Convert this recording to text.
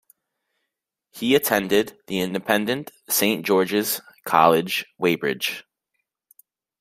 He attended the independent Saint George's College, Weybridge.